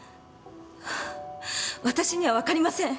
私には分かりません。